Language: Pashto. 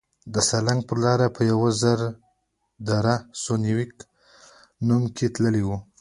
د سالنګ پر لاره په یو زر در سوه نویم کې تللی وم.